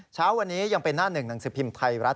เช้าวันนี้ยังเป็นหน้าหนึ่งหนังสือพิมพ์ไทยรัฐ